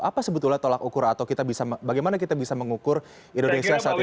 apa sebetulnya tolak ukur atau bagaimana kita bisa mengukur indonesia saat ini